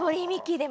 でも。